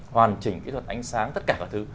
hoàn chỉnh kỹ thuật ánh sáng tất cả các thứ